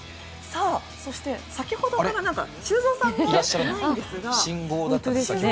そして先ほどから修造さんがいないんですが。